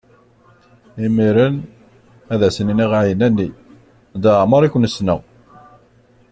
Imiren, ad sen-iniɣ ɛinani: Leɛmeṛ i ken-ssneɣ!